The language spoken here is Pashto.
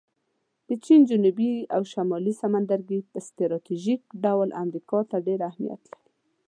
د چین جنوبي او شمالي سمندرګی په سټراټیژیک ډول امریکا ته ډېر اهمیت لري